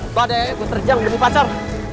mbak deh gue terjang gue dapet pacar